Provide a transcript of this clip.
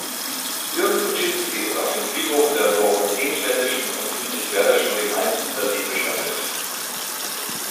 Jürgen Kuczynski ist auf dem Friedhof der Dorotheenstädtischen und Friedrichswerderschen Gemeinden in Berlin bestattet.